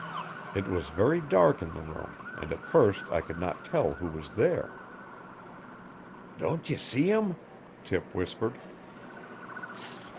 It was very dark in the room and at first I could not tell who was there. 'Don't you see him?' Tip whispered.